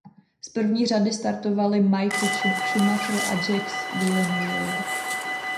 Z první řady startovali Michael Schumacher a Jacques Villeneuve.